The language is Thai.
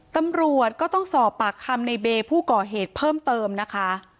ตำรวจก็ต้องสอบปากคำในเบย์ผู้ก่อเหตุเพิ่มเติมนะคะ